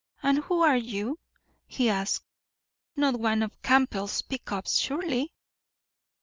And who are you?" he asked. "Not one of Campbell's pick ups, surely?"